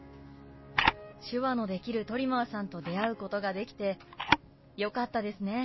手話のできるトリマーさんと出会うことができてよかったですね。